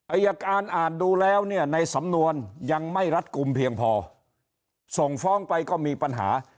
อายการอ่านดูแล้วเนี่ยในสำนวนยังไม่รัดกลุ่มเพียงพอส่งฟ้องไปก็มีปัญหา